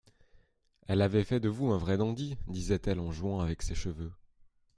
Elle avait fait de vous un vrai dandy, disait-elle en jouant avec ses cheveux.